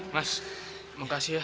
mas makasih ya